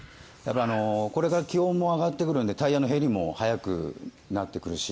これから気温も上がってくるのでタイヤの減りも早くなってくるし